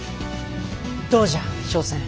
どうじゃ笙船。